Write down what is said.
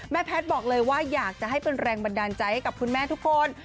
แพทย์บอกเลยว่าอยากจะให้เป็นแรงบันดาลใจให้กับคุณแม่ทุกคน